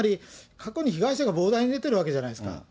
つまり過去に被害者が膨大に出てるわけじゃないですか。